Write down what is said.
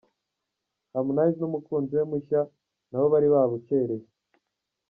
Harmonize n'umukunzi we mushya nabo bari babukereye.